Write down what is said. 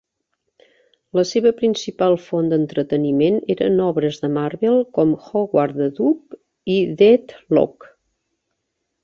La seva principal font d'entreteniment eren obres de Marvel com "Howard the Duck" i "Deathlok".